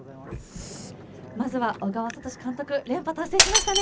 まずは小川智監督、連覇達成しましたね。